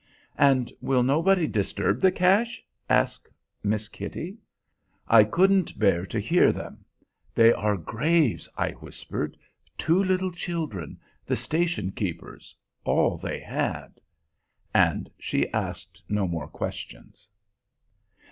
"And will nobody disturb the cache?" asked Miss Kitty. I couldn't bear to hear them. "They are graves," I whispered. "Two little children the station keeper's all they had." And she asked no more questions.